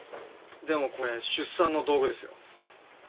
でもこれ出産の道具ですよ。